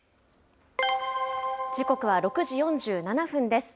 時刻は６時４７分です。